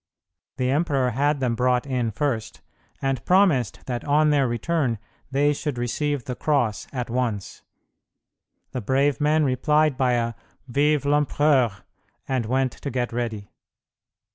The emperor had them brought in first, and promised that on their return they should receive the Cross at once. The brave men replied by a "Vive l'Empereur!" and went to get ready.